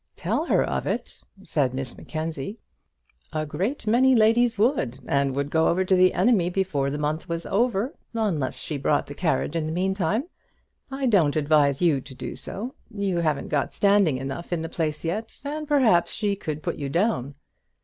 "Tell her of it!" said Miss Mackenzie. "A great many ladies would, and would go over to the enemy before the month was over, unless she brought the carriage in the meantime. I don't advise you to do so. You haven't got standing enough in the place yet, and perhaps she could put you down."